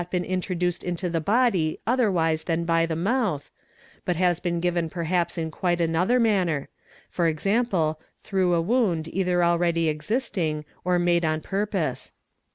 | IN PHYSICS 919 introduced into the body otherwise than by the moutn, but has been given perhaps in quite another manner, ¢.g., through a wound either already existing or made on purpose.